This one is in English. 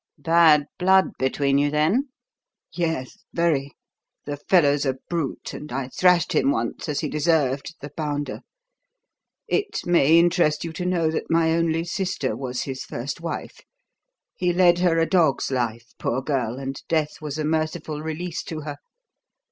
"Bad blood between you, then?" "Yes very. The fellow's a brute, and I thrashed him once, as he deserved, the bounder. It may interest you to know that my only sister was his first wife. He led her a dog's life, poor girl, and death was a merciful release to her.